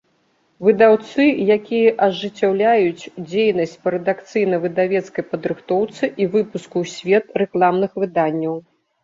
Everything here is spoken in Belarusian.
Выдаўцы, якiя ажыццяўляюць дзейнасць па рэдакцыйна-выдавецкай падрыхтоўцы i выпуску ў свет рэкламных выданняў.